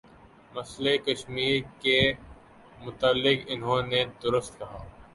مسئلہ کشمیر کے متعلق انہوں نے درست کہا